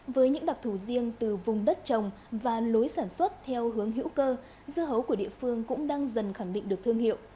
với những đặc thù riêng từ vùng đất trồng và lối sản xuất theo hướng hữu cơ dưa hấu của địa phương cũng đang dần khẳng định được thương hiệu